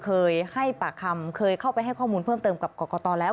เคยให้ปากคำเคยเข้าไปให้ข้อมูลเพิ่มเติมกับกรกตแล้ว